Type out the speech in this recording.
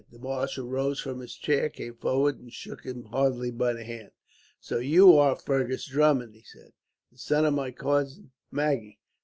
The marshal rose from his chair, came forward, and shook him heartily by the hand. "So you are Fergus Drummond," he said, "the son of my cousin Maggie!